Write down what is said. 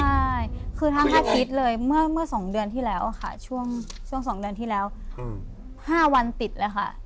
คือคือทางอาทิตย์เลยเมื่อ๒เดือนที่แล้วค่ะ๕วันติดนะคะนี้